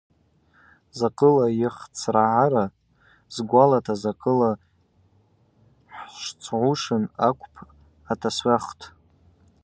Закӏыла йхӏцхърагӏара сгвалата: – Закӏыла хӏшвцӏгӏушын акӏвпӏ, – атасхӏвахтӏ.